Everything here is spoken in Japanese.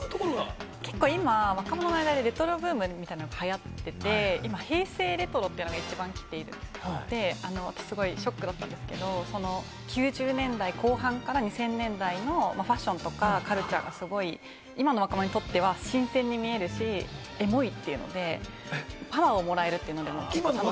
若者の間で今レトロブームが流行っていて、今、平成レトロというのが一番キテいて、すごいショックだったんですけど、９０年代後半から２０００年代のファッションとかカルチャーがすごい今の若者にとっては新鮮に見えるし、エモいって言って、パワーをもらえるというのがあるみたいです。